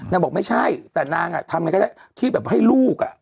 นางบอกไม่ใช่แต่นางอ่ะทำงานแบบให้ลูกอ่ะ